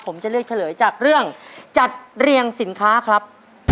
ผมจะเลือกเฉลยจากเรื่องจัดเรียงสินค้าครับ